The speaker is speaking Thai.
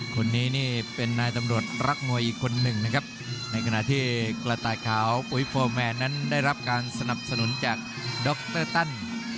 คนนี้นี่เป็นนายตำรวจรักมวยอีกคนหนึ่งนะครับในขณะที่กระต่ายขาวปุ๋ยโฟร์แมนนั้นได้รับการสนับสนุนจากดรตัน